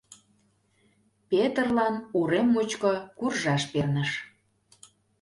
Петырлан урем мучко куржаш перныш.